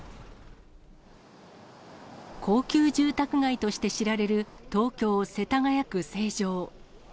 高級住宅街として知られる、東京・世田谷区成城。